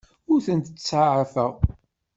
Ur tent-ttsaɛafeɣ.